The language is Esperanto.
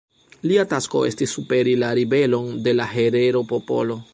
Lia tasko estis superi la ribelon de la herero-popolo.